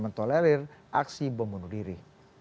mentolerir aksi pembunuh diri